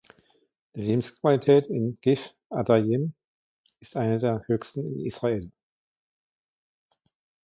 Die Lebensqualität in Givʿatajim ist eine der höchsten in Israel.